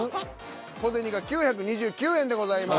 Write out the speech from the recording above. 小銭が９２９円でございます。